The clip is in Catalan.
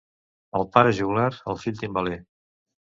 El pare joglar, el fill timbaler.